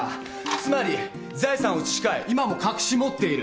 つまり財産を移し替え今も隠し持っている。